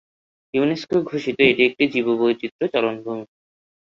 UNESCO ঘোষিত এটি একটি জীববৈচিত্র্য চারণভূমি।